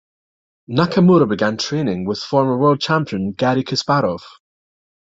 Nakamura began training with former world champion Garry Kasparov.